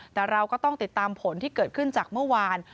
แต่เราก็ต้องติดตามผลที่เกิดขึ้นจากเมื่อวาน